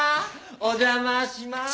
お邪魔しまーす。